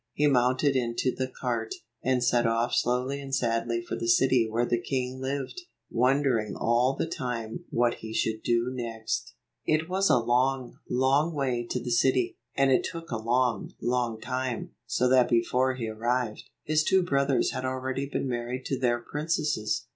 He mounted into the cart, and set off slowly and sadly for the city where the king lived, wondering all the time what he should do next. 154 It was a long, long way to the city, and it took a long, long time, so that before he arrived, his two brothers had already been married to their princesses.